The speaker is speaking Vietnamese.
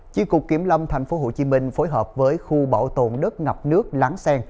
chi cục kiểm lâm tp hcm phối hợp với khu bảo tồn đất ngập nước láng sen